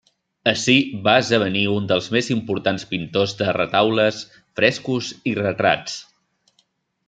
Ací va esdevenir un dels més importants pintors de retaules, frescos i retrats.